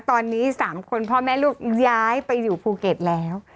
ตอนนี้๓คนพ่อแม่ลูกย้ายไปอยู่ภูเก็ตแล้ว